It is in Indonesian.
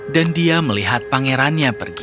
dan dia melihat pangerannya pergi